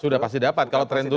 sudah pasti dapat kalau tren itu